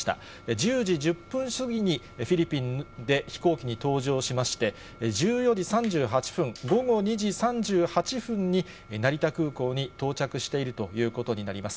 １０時１０分過ぎにフィリピンで飛行機に搭乗しまして、１４時３８分、午後２時３８分に、成田空港に到着しているということになります。